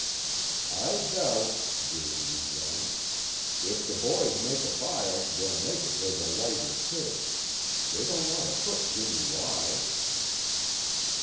"I doubt," Deering rejoined. "If the boys make a fire, they'll make it where the light is hid. They don't want to put Jimmy wise."